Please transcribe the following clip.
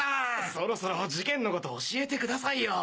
そろそろ事件のこと教えてくださいよ。